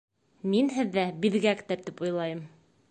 Мин һеҙҙә биҙгәктер тип уйлайым